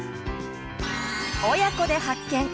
「親子で発見！